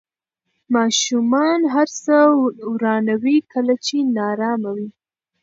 ماشومان هر څه ورانوي کله چې نارامه وي.